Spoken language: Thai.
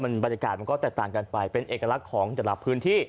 บรรยากาศมันก็แตกต่างกันไปเป็นเอกลักษณ์ของแต่ละพื้นที่